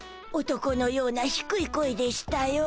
男のようなひくい声でしゅたよ。